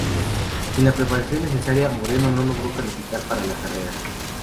Sin la preparación necesaria, Moreno no logró calificar para la carrera.